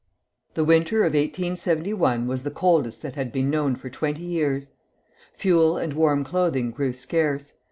The winter of 1871 was the coldest that had been known for twenty years. Fuel and warm clothing grew scarce.